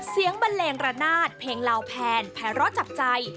เสียงบันเลงระนาดเพลงเหล่าแผ่นแผ่ร้อจับใจ